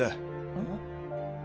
えっ？